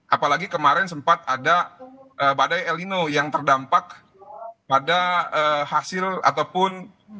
apalagi kemarin sempat ada badai el nino yang terdampak pada hasil ataupun